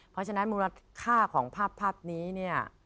เพราะฉะนั้นมูลค่าของภาพนี้เนี่ย